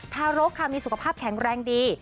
ทารกค่ะมีสุขภาพแข็งแรงดี